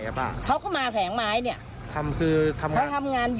มาทางตรงเหมือนกัน